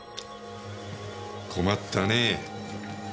困ったねぇ。